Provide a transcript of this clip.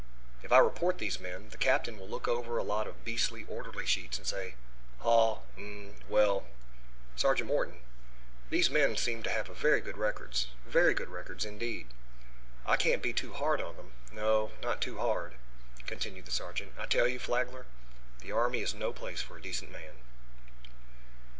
If I report these men, the captain will look over a lot of beastly orderly sheets and say 'Haw, eh, well, Sergeant Morton, these men seem to have very good records; very good records, indeed. I can't be too hard on them; no, not too hard.'" Continued the sergeant: "I tell you, Flagler, the army is no place for a decent man."